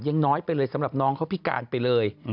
ยังน้อยไปเลยสำหรับน้องเขาพิการไปเลย